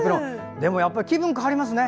でもやっぱり気分が変わりますね。